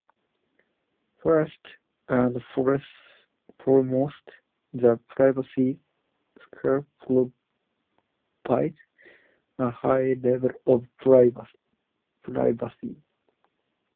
First and foremost, the privacy scarf provides a high level of privacy.